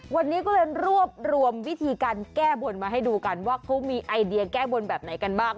วันนี้ก็เลยรวบรวมวิธีการแก้บนมาให้ดูกันว่าเขามีไอเดียแก้บนแบบไหนกันบ้าง